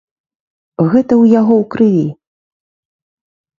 Гэта ў яго ў крыві.